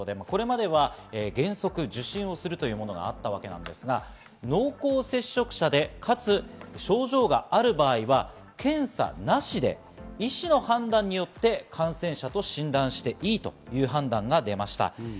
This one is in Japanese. これまでは原則、受診をするというものがあったわけですが、濃厚接触者で、かつ症状がある場合は検査なしで医師の判断によって感染者と診断していいという判断が出ました。